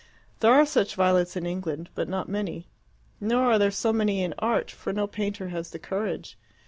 There are such violets in England, but not so many. Nor are there so many in Art, for no painter has the courage.